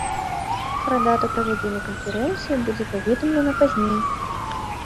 Пра дату правядзення канферэнцыі будзе паведамлена пазней.